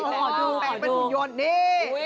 ขอดูเป็นหุ่นยนต์นี่